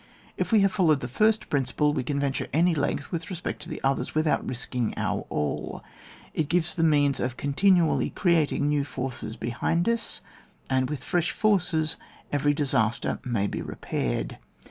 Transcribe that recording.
If we have followed the first principle, we can venture any leng^ with respect to the others, without risking our aU. It gives the means of continually creating new forces behind us, and with fresh forces, every disastei^may be repaired.